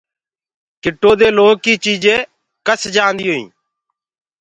جنگو دي لوه ڪي چيجينٚ ڪس جآنيونٚ هينٚ۔